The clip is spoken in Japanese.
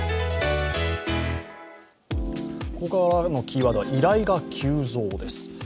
ここからのキーワードは依頼が急増です。